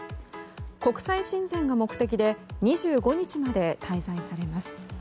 国際親善が目的で２５日まで滞在されます。